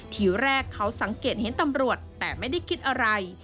ทีแรกเขาสังเกตเห็นตำรวจแต่ไม่ได้คิดอะไร